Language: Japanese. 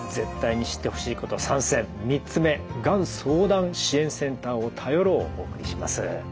３つ目がん相談支援センターを頼ろうをお送りします。